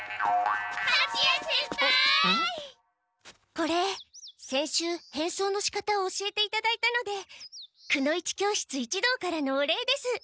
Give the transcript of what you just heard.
これ先週変装のしかたを教えていただいたのでくの一教室一同からのお礼です。